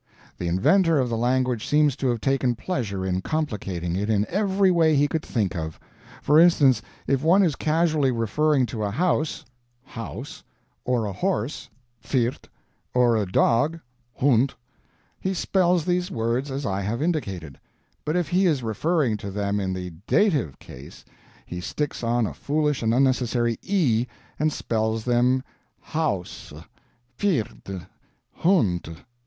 The inventor of the language seems to have taken pleasure in complicating it in every way he could think of. For instance, if one is casually referring to a house, HAUS, or a horse, PFERD, or a dog, HUND, he spells these words as I have indicated; but if he is referring to them in the Dative case, he sticks on a foolish and unnecessary E and spells them HAUSE, PFERDE, HUNDE.